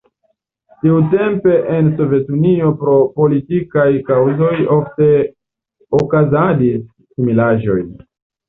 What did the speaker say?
Tiutempe en Sovetunio pro politikaj kaŭzoj ofte okazadis similaĵoj.